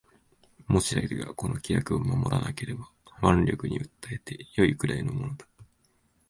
もし相手がこの規約を守らなければ腕力に訴えて善いくらいのものだ